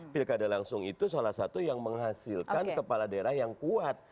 pilkada langsung itu salah satu yang menghasilkan kepala daerah yang kuat